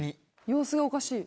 様子がおかしい。